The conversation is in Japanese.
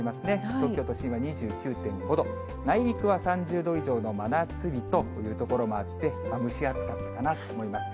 東京都心は２９．５度、内陸は３０度以上の真夏日という所もあって、蒸し暑かったかなと思います。